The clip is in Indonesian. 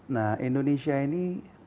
nah indonesia ini